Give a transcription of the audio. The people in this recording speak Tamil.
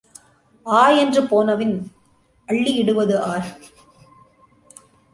ஆவென்று போனபின் அள்ளி இடுவது ஆர்?